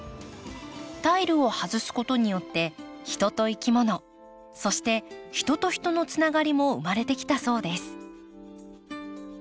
タイルを外すことによって人といきものそして人と人のつながりも生まれてきたそうです。